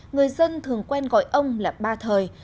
người dân thường quen gọi ông là ba thời